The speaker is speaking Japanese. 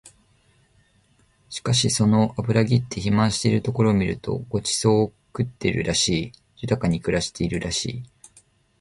しかしその脂ぎって肥満しているところを見ると御馳走を食ってるらしい、豊かに暮らしているらしい